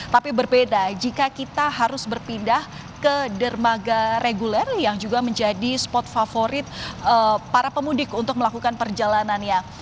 tapi berbeda jika kita harus berpindah ke dermaga reguler yang juga menjadi spot favorit para pemudik untuk melakukan perjalanannya